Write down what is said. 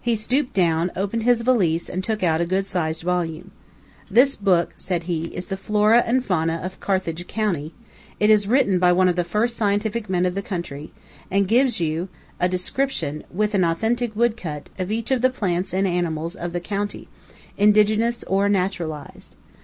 He stooped down, opened his valise, and took out a good sized volume. "This book," said he, "is the 'Flora and Fauna of Carthage County;' it is written by one of the first scientific men of the country, and gives you a description, with an authentic wood cut, of each of the plants and animals of the county indigenous or naturalized.